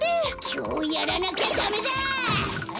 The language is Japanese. きょうやらなきゃダメだ！